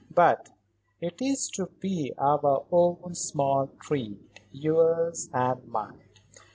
But it is to be our own small treat; yours and mine.